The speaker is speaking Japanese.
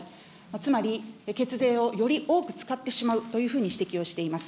つまり、血税をより多く使ってしまうというふうに指摘をしています。